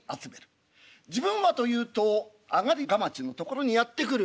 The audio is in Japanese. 自分はというと上がりかまちのところにやって来る。